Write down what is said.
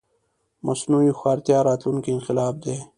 مصنوعي هوښيارتيا راتلونکې انقلاب دی